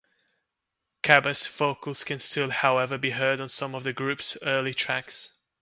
Kabba's vocals can still, however, be heard on some of the group's early tracks.